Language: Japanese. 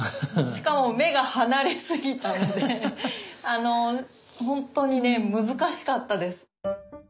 しかも目が離れすぎたので本当にね難しかったです。